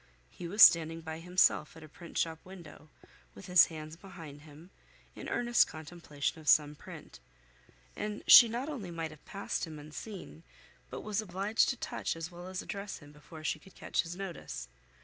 He was standing by himself at a printshop window, with his hands behind him, in earnest contemplation of some print, and she not only might have passed him unseen, but was obliged to touch as well as address him before she could catch his notice.